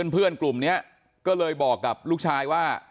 เพื่อนกลุ่มนี้ก็เลยบอกกับลูกชายว่า